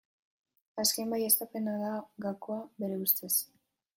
Azken baieztapena da gakoa bere ustez.